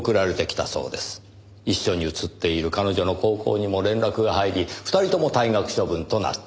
一緒に写っている彼女の高校にも連絡が入り２人とも退学処分となった。